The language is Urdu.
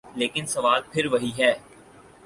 لیکن سوال پھر وہی۔